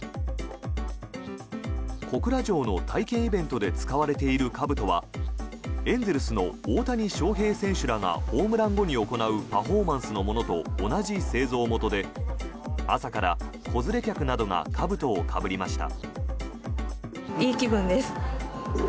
小倉城の体験イベントで使われているかぶとはエンゼルスの大谷翔平選手らがホームラン後に行うパフォーマンスのものと同じ製造元で朝から子連れ客などがかぶとをかぶりました。